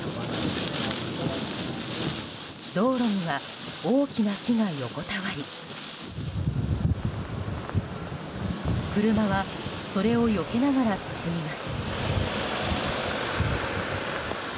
道路には大きな木が横たわり車は、それをよけながら進みます。